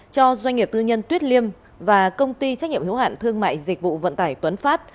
cho doanh nghiệp tư nhân tuyết liêm và công ty trách nhiệm hiếu hạn thương mại dịch vụ vận tải tuấn phát